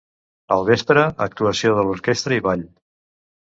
Al vespre, actuació de l'Orquestra i ball.